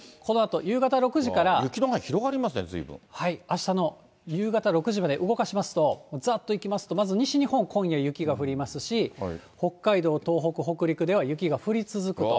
雪の範囲広がりますね、ずいあしたの夕方６時まで動かしますと、ざっといきますと、まず西日本、今夜雪が降りますし、北海道、東北、北陸では雪が降り続くと。